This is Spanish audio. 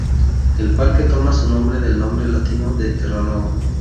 El parque toma su nombre del nombre latino de Terranova.